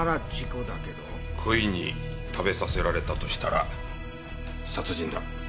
故意に食べさせられたとしたら殺人だ。